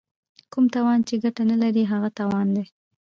کوم تاوان چې ګټه نه لري هغه تاوان دی.